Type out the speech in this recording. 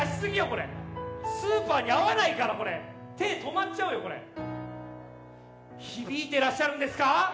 これスーパーに合わないからこれ手止まっちゃうよこれ響いてらっしゃるんですか？